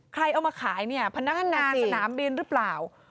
ใครเอามาขายเนี่ยพนักงานสนามบินหรือเปล่า